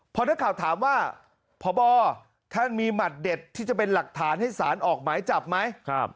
พอนักข่าวถามว่าพบท่านมีหมัดเด็ดที่จะเป็นหลักฐานให้สารออกหมายจับไหม